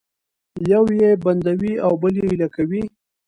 یو یې بندوي او بل یې ایله کوي